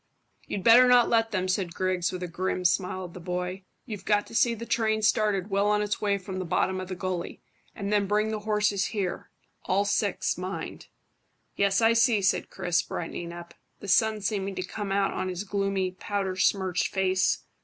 "You'd better not let them," said Griggs, with a grim smile at the boy. "You've got to see the train started well on its way from the bottom of the gully, and then bring the horses here all six, mind." "Yes, I see," said Chris, brightening up, the sun seeming to come out on his gloomy, powder smirched face.